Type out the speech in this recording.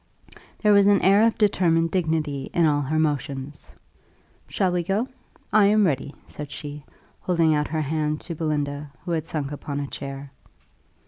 There was an air of determined dignity in all her motions. "Shall we go? I am ready," said she, holding out her hand to Belinda, who had sunk upon a chair.